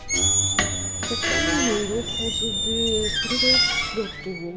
他にもいるはずでそれがＸだと。